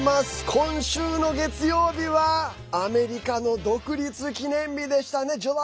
今週の月曜日はアメリカの独立記念日でしたね。